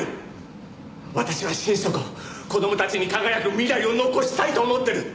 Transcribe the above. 私は心底子供たちに輝く未来を残したいと思ってる！